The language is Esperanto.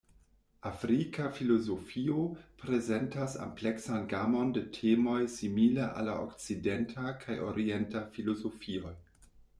Afrika filozofio prezentas ampleksan gamon de temoj simile al la Okcidenta kaj Orienta filozofioj.